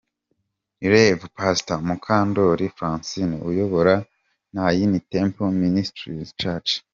Rev Pastor Mukandori Francine uyobora Nayini Temple Ministries church.